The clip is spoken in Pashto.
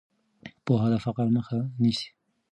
پوهه د فقر مخه نیسي.